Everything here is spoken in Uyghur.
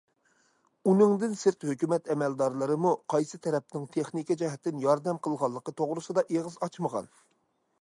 ئۇنىڭدىن سىرت، ھۆكۈمەت ئەمەلدارلىرىمۇ قايسى تەرەپنىڭ تېخنىكا جەھەتتىن ياردەم قىلغانلىقى توغرىسىدا ئېغىز ئاچمىغان.